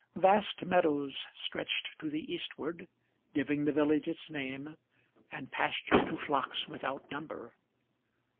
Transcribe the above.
Vast meadows stretched to the eastward, Giving the village its name, and pasture to flocks without number.